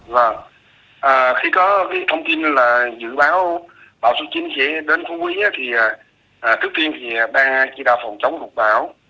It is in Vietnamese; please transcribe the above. vâng khi có thông tin là dự báo bão số chín sẽ đến phú quý thì trước tiên thì ba chi đạo phòng chống thuộc bão